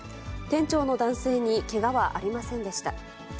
店長の男性にけがはありませんでした。